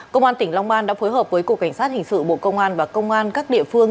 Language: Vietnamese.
công an tỉnh long an đã phối hợp với cục cảnh sát hình sự bộ công an và công an các địa phương